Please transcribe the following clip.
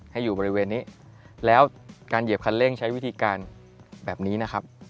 ให้อยู่บริเวณนี้แล้วการเหยียบคันเร่งใช้วิธีการแบบนี้นะครับ